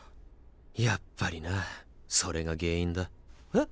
やっぱりなそれが原因だ。え？